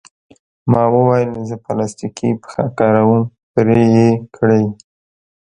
ما وویل: زه پلاستیکي پښه کاروم، پرې یې کړئ.